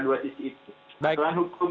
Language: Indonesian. dua sisi itu selain hukum